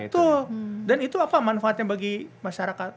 betul dan itu apa manfaatnya bagi masyarakat